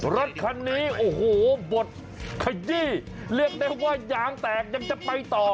รถคันนี้โอ้โหบดขยี้เรียกได้ว่ายางแตกยังจะไปต่อ